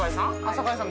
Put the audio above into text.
坂井さん？